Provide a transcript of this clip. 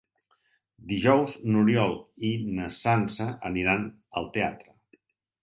Dijous n'Oriol i na Sança aniran al teatre.